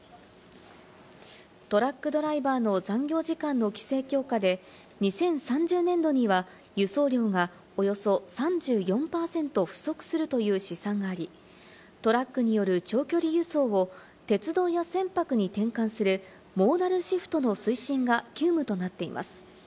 トラックドライバーの残業時間の規制強化で、２０３０年度には輸送量がおよそ３４％不足するという試算があり、トラックによる長距離輸送を鉄道や船舶に転換するモーダルシフトの推進が急務となっています。